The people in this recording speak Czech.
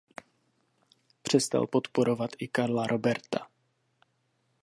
Přestal podporovat i Karla Roberta.